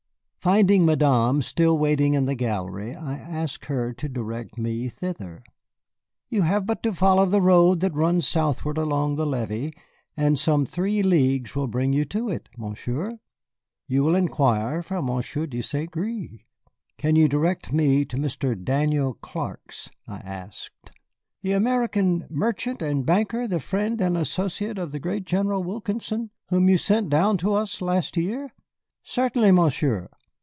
Finding Madame still waiting in the gallery, I asked her to direct me thither. "You have but to follow the road that runs southward along the levee, and some three leagues will bring you to it, Monsieur. You will inquire for Monsieur de Saint Gré." "Can you direct me to Mr. Daniel Clark's?" I asked. "The American merchant and banker, the friend and associate of the great General Wilkinson whom you sent down to us last year? Certainly, Monsieur.